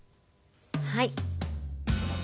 はい。